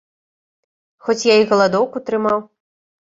Хоць я і галадоўку трымаў.